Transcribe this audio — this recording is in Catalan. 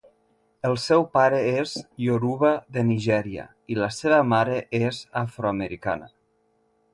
El seu pare és ioruba de Nigèria, i la seva mare és afroamericana.